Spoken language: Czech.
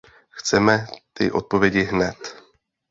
Chceme ty odpovědi hned!